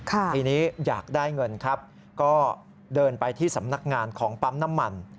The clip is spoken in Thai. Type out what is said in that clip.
ทีนี้อยากได้เงินครับก็เดินไปที่สำนักงานของปั๊มน้ำมัน